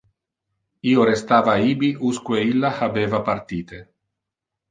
Io restava ibi usque ille habeva partite.